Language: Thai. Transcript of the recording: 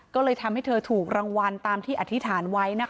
ก็เลยทำให้เธอถูกรางวัลตามที่อธิษฐานไว้